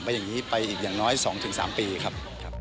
อย่างนี้ไปอีกอย่างน้อย๒๓ปีครับ